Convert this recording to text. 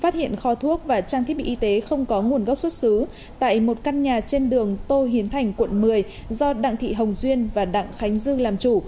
thiết bị y tế không có nguồn gốc xuất xứ tại một căn nhà trên đường tô hiến thành quận một mươi do đặng thị hồng duyên và đặng khánh dương làm chủ